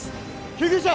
・救急車！